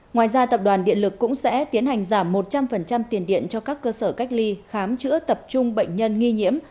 ngoài ra tập đoàn điện lực cũng sẽ tiến hành giảm một trăm linh tiền điện cho các cơ sở cách ly khám chữa tập trung bệnh nhân nghi nhiễm